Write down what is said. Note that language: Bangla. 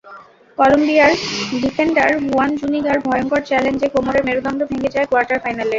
কলম্বিয়ার ডিফেন্ডার হুয়ান জুনিগার ভয়ংকর চ্যালেঞ্জে কোমরের মেরুদণ্ড ভেঙে যায় কোয়ার্টার ফাইনালে।